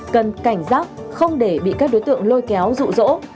cần cảnh giác không để bị các đối tượng lôi kéo rụ rỗ